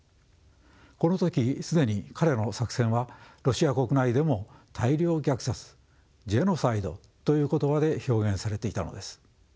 この時既に彼の作戦はロシア国内でも大量虐殺ジェノサイドという言葉で表現されていたのです。